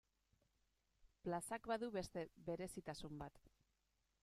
Plazak badu beste berezitasun bat.